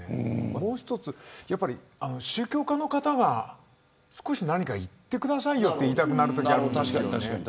もう１つ、宗教家の方が少し何か言ってくださいよと言いたくなるときがあるんです。